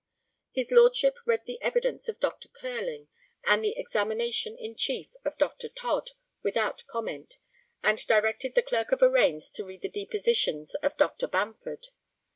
[His Lordship read the evidence of Dr. Curling, and the examination in chief of Dr Todd, without comment, and directed the Clerk of Arraigns to read the depositions of Dr. Bamford.